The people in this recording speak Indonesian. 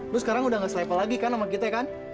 lu sekarang udah gak selipel lagi kan sama kita kan